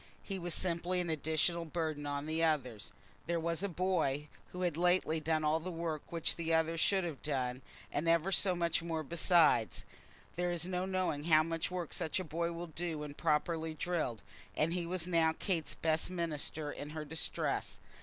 He was simply an additional burden on the others. There was a boy who had lately done all the work which the other should have done, and ever so much more beside. There is no knowing how much work such a boy will do when properly drilled, and he was now Kate's best minister in her distress.